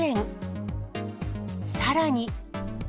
さらに。